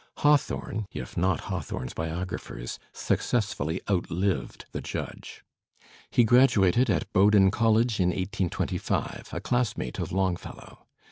Hawthorne, if not Hawthorne's biographers, sue cessfully outlived the judge. He graduated at Bowdoin College in 1825, a classmate of Longfellow.